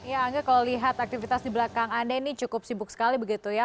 ya angga kalau lihat aktivitas di belakang anda ini cukup sibuk sekali begitu ya